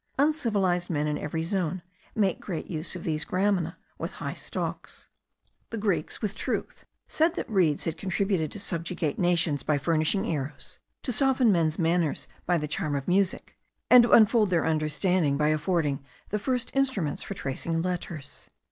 Uncivilized men, in every zone, make great use of these gramina with high stalks. The Greeks, with truth, said that reeds had contributed to subjugate nations by furnishing arrows, to soften men's manners by the charm of music, and to unfold their understanding by affording the first instruments for tracing letters.